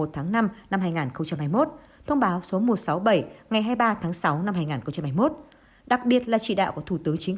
một tháng năm năm hai nghìn hai mươi một thông báo số một trăm sáu mươi bảy ngày hai mươi ba tháng sáu năm hai nghìn hai mươi một đặc biệt là chỉ đạo của thủ tướng chính